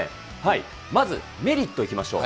まずメリットいきましょう。